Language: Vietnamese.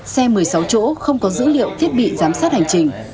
xe một mươi sáu chỗ không có dữ liệu thiết bị giám sát hành trình